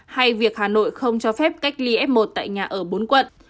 hay việc hà nội không cho phép cách ly f một tại nhà ở bốn quận